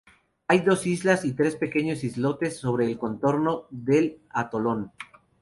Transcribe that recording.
Hay dos islas y tres pequeños islotes sobre el contorno del atolón.